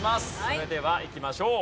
それではいきましょう。